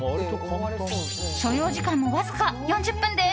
所要時間もわずか４０分です。